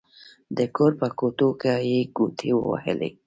د کور په کوټو يې ګوتې ووهلې.